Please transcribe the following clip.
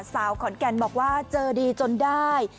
สาวขอนแก่นบอกว่าเจอดีจนได้